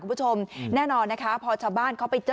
คุณผู้ชมแน่นอนนะคะพอชาวบ้านเขาไปเจอ